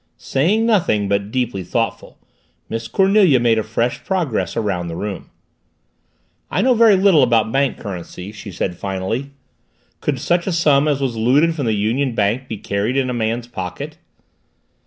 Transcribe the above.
Saying nothing, but deeply thoughtful, Miss Cornelia made a fresh progress around the room. "I know very little about bank currency," she said finally. "Could such a sum as was looted from the Union Bank be carried away in a man's pocket?"